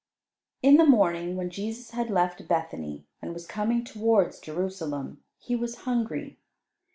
In the morning, when Jesus had left Bethany and was coming towards Jerusalem, He was hungry.